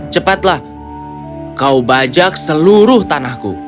cepatlah kau bajak seluruh tanahku